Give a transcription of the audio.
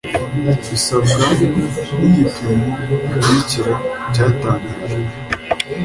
bisabwa n igipimo gikurikira cyatangajwe